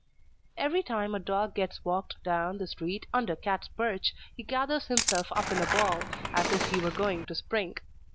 Every time a dog gets walked down the street under Cat's perch, he gathers himself up in a ball, as if he were going to spring.